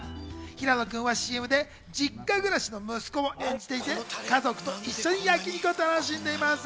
平野君はＣＭで実家暮らしの息子を演じていて、家族と一緒に焼肉を楽しんでいます。